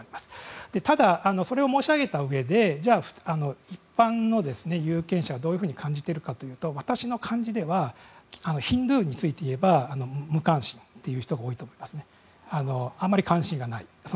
ただ、それを申し上げたうえで一般の有権者はどういうふうに感じているかというと私の感じではヒンドゥーについていえば無関心という人が多いと思いますね。